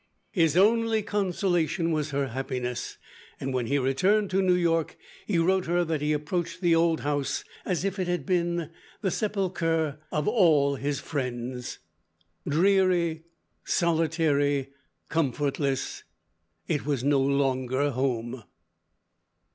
His only consolation was her happiness, and when he returned to New York, he wrote her that he approached the old house as if it had been the sepulchre of all his friends. "Dreary, solitary, comfortless it was no longer home."